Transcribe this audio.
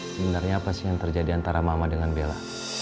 sebenarnya apa sih yang terjadi antara mama dengan bella